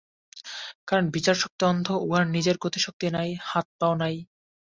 কারণ বিচারশক্তি অন্ধ, উহার নিজের গতিশক্তি নাই, হাত-পাও নাই।